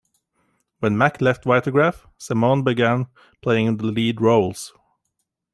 When Mack left Vitagraph, Semon began playing the lead roles.